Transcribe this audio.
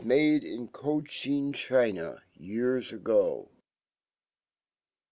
dc in CocKin\China^ years ago.